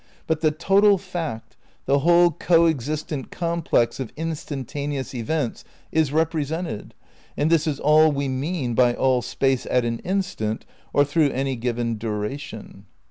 But the total fact, the whole coexistent complex of in stantaneous events is represented, and this is all we mean by aU Space at an instant or through any given duration.